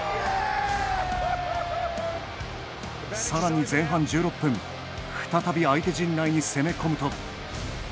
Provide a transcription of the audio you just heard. さらに、前半１６分再び相手陣内に攻め込むと。